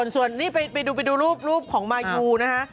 นี่ส่วนนี่ไปดูรูปของมายูนะฮะ